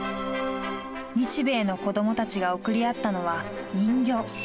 日米の子どもたちが贈り合ったのは人形。